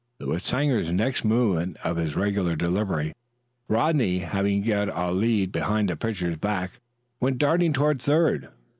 With Sanger's next movement of his regular delivery, Rodney, having got a lead behind the pitcher's back, went darting toward third.